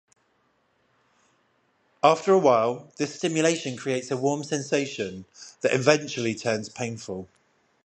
After a while, this stimulation creates a warm sensation that eventually turns painful.